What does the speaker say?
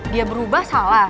dia berubah salah